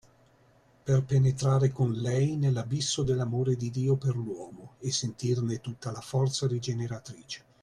Per penetrare con Lei nell'abisso dell'amore di Dio per l'uomo e sentirne tutta la forza rigeneratrice.